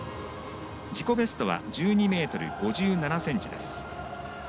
自己ベストは１２ｍ５７ｃｍです。